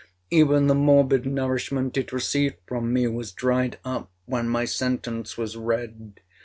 Even the morbid nourishment it received from me was dried up when my sentence was read.